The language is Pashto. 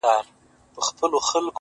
• نن مي بيا يادېږي ورځ تېرېږي؛